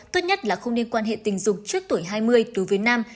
tốt nhất là không nên quan hệ tình dục trước tuổi hai mươi đối với nam